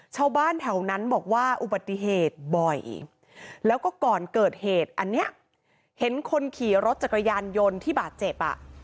ชาวบ้านแถวนั้นบอกว่าอุบัติเหตุบ่อยแล้วก็ก่อนเกิดเหตุอันนี้เห็นคนขี่รถจักรยานยนต์ที่บาดเจ็บอ่ะ